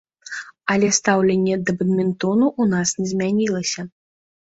Але стаўленне да бадмінтону ў нас не змянілася.